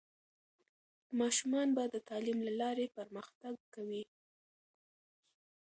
ماشومان به د تعلیم له لارې پرمختګ کوي.